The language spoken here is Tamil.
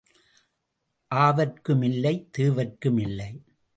ஆவர்க்கும் இல்லை தேவர்க்கும் இல்லை.